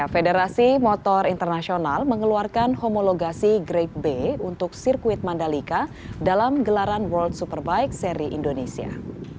federasi motor internasional mengeluarkan homologasi grade b untuk sirkuit mandalika dalam gelaran world superbike seri indonesia